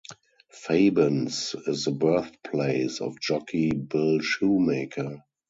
Fabens is the birthplace of jockey Bill Shoemaker.